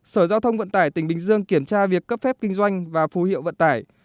sở giao thông vận tải tỉnh bình dương kiểm tra việc cấp phép kinh doanh và phù hiệu vận tải